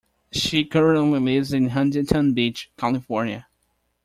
She currently lives in Huntington Beach, California.